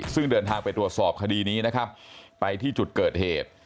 ซึ่งเดินทางไปตรวจสอบคดีนี้นะครับไปที่จุดเกิดเหตุ